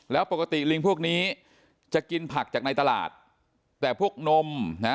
แล้วปกติลิงพวกนี้จะกินผักจากในตลาดแต่พวกนมนะ